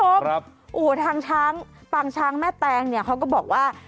โอ้โหทางช้างปางช้างแม่แตงเนี่ยเขาก็บอกว่า